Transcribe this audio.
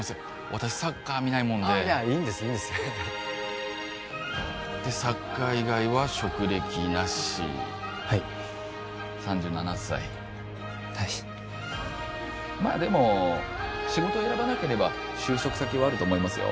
私サッカー見ないもんでいやいいんですいいんですでサッカー以外は職歴なしはい３７歳はいまあでも仕事選ばなければ就職先はあると思いますよ